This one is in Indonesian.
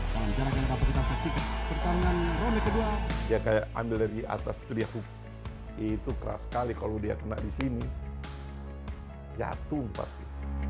dia kayak ambil dari atas itu keras sekali kalau dia kena di sini jatuh pasti